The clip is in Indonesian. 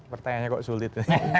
pertanyaannya kok sulit